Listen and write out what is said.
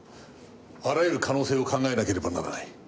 あらゆる可能性を考えなければならない。